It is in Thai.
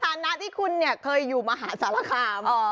ฐานะที่คุณเนี่ยเคยอยู่มหาสารคาม